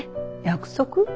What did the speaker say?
約束？